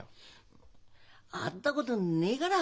会ったことねえがら